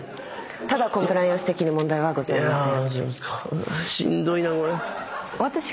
ただコンプライアンス的に問題はございません。